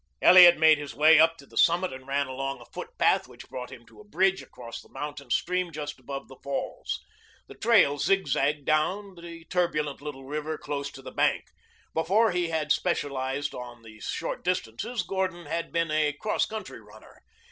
Elliot made his way up to the summit and ran along a footpath which brought him to a bridge across the mountain stream just above the falls. The trail zigzagged down the turbulent little river close to the bank. Before he had specialized on the short distances Gordon had been a cross country runner.